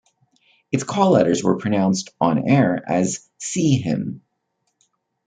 Its call letters were pronounced, on air, as see Him.